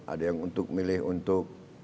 ada yang untuk milih untuk